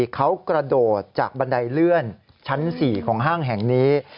เขากระโดดจากบันไดเลื่อนชั้น๔ของห้างแห่งนี้